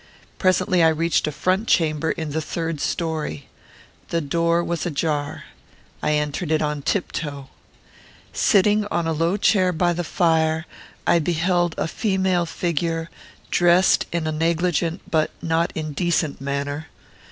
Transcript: Presently I reached a front chamber in the third story. The door was ajar. I entered it on tiptoe. Sitting on a low chair by the fire, I beheld a female figure, dressed in a negligent but not indecent manner.